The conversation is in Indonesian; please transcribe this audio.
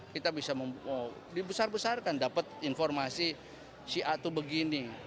kita bisa membesar besarkan dapat informasi si atau begini